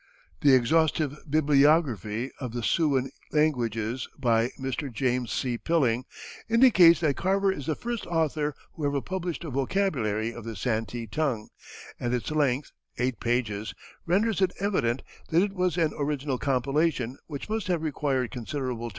The exhaustive bibliography of the Siouan languages, by Mr. James C. Pilling, indicates that Carver is the first author who ever published a vocabulary of the Santee tongue, and its length, eight pages, renders it evident that it was an original compilation which must have required considerable time and patience.